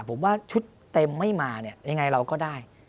ผมว่าชุดเต็มไม่มาเนี่ยยังไงเราก็ได้